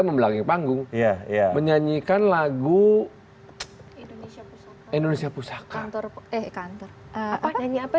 membelangi panggung ya menyanyikan lagu indonesia pusaka kantor kantor apa apa